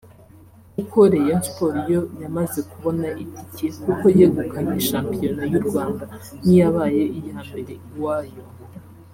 kuko Rayon Sports yo yamaze kubona itike kuko yegukanye Shampiyona y’u Rwanda nk’iyabaye iya mbere iwayo